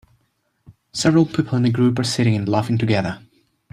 Several people in a group are sitting and laughing together.